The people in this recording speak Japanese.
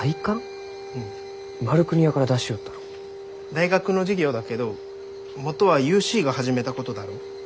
大学の事業だけどもとはユーシーが始めたことだろう？